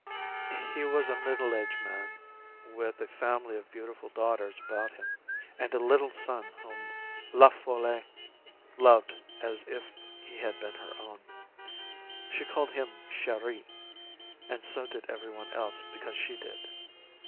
He was a middle aged man, with a family of beautiful daughters about him, and a little son whom La Folle loved as if he had been her own. She called him Chéri, and so did every one else because she did.